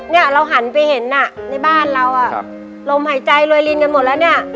เนี่ยเราหันไปเห็นอ่ะในบ้านเราอ่ะลมหายใจรวยลินกันหมดแล้วเนี่ย